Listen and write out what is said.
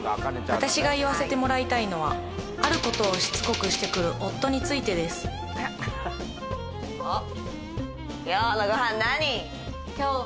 私が言わせてもらいたいのはあることをしつこくしてくる夫についてですえっ？